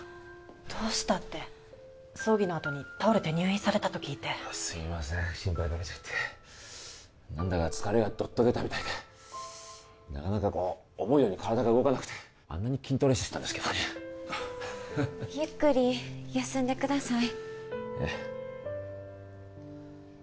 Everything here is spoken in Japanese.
どうしたって葬儀のあとに倒れて入院されたと聞いてすいません心配かけちゃって何だか疲れがどっと出たみたいでなかなかこう思うように体が動かなくてあんなに筋トレしてたんですけどねゆっくり休んでくださいええ